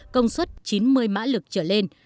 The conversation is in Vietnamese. công suất chín mươi mã lực trở lên